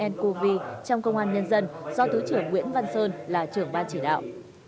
ncov trong công an nhân dân do thứ trưởng nguyễn văn sơn là trưởng ban chỉ đạo